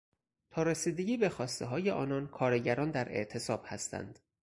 تا رسیدگی به خواستههای آنها کارگران در اعتصاب هستند.